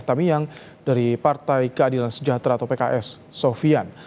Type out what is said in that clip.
tamiang dari partai keadilan sejahtera atau pks sofian